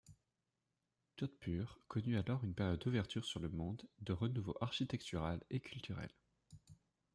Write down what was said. Jodhpur connut alors une période d'ouverture sur le monde, de renouveau architectural et culturel.